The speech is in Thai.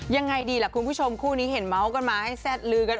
ยังไงดีล่ะคุณผู้ชมคู่นี้เห็นเมาส์กันมาให้แซ่ดลือกัน